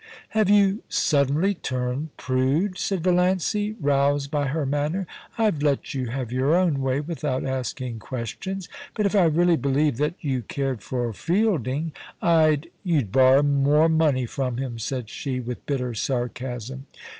* Have you suddenly turned prude ? said Valiancy, roused by her manner. * I've let you have your own way without asking questions ; but if I really believed that you cared for Fielding, I'd ^ 46 POLICY AND PASSION. * You'd borrow more money from him/ said she, with bitter sarcasm.